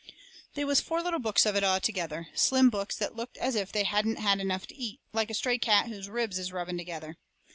They was four little books of it altogether. Slim books that looked as if they hadn't had enough to eat, like a stray cat whose ribs is rubbing together.